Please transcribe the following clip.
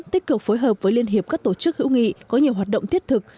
tích cực phối hợp với liên hiệp các tổ chức hữu nghị có nhiều hoạt động thiết thực